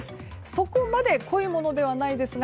そこまで濃いものではないですが